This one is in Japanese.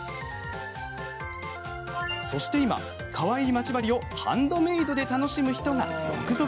そして今、かわいいまち針をハンドメイドで楽しむ人が続々。